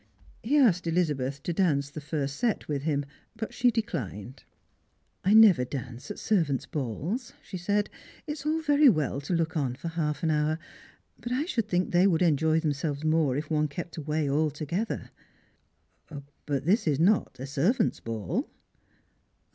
He asked Ehzabeth to dance the First Set with him, but she declined. " I never dance at servants' balls," she said ;" it is all very well to look on for half an hour, but I should think they would enjoy themselves more if one kept away altogether." " But this is not a servants' ball."